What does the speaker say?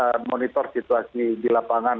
kita monitor situasi di lapangan